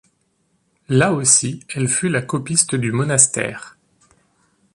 Là aussi, elle fut la copiste du monastère.